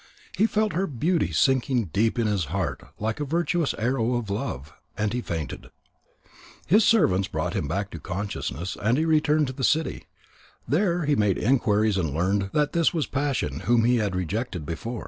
He felt her beauty sinking deep in his heart like a victorious arrow of Love, and he fainted. His servants brought him back to consciousness, and he returned to the city. There he made inquiries and learned that this was Passion whom he had rejected before.